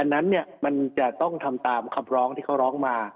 นั้นมันจะต้องทำตามคำร้องที่เขาร้องมา